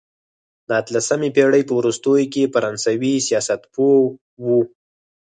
د اتلسمې پېړۍ په وروستیو کې فرانسوي سیاستپوه وو.